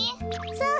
そう。